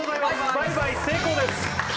倍買成功です